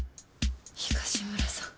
東村さん